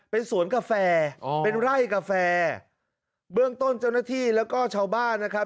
เป็นสวนกาแฟอ๋อเป็นไร่กาแฟเบื้องต้นเจ้าหน้าที่แล้วก็ชาวบ้านนะครับ